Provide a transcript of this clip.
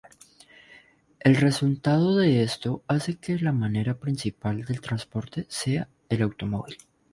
El resultado de esto hace que la manera principal de transporte sea el automóvil.